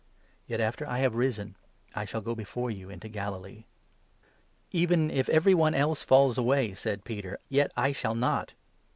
Yet, after I have risen, I shall go before you into Galilee." 28 " Even if every one else falls away," said Peter, "yet I shall 29 not."